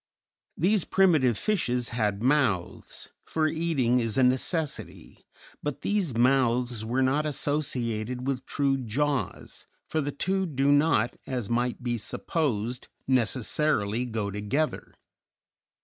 These primitive fishes had mouths, for eating is a necessity; but these mouths were not associated with true jaws, for the two do not, as might be supposed, necessarily go together.